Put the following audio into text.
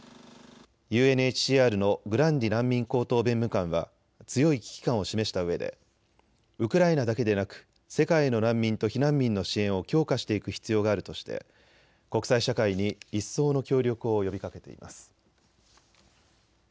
ＵＮＨＣＲのグランディ難民高等弁務官は強い危機感を示したうえでウクライナだけでなく世界の難民と避難民の支援を強化していく必要があるとして国際社会に一層の協力を呼びかけています。